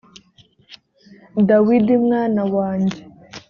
dawidi mwana wanjye